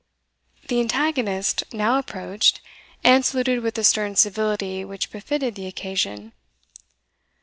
The antagonist now approached, and saluted with the stern civility which befitted the occasion.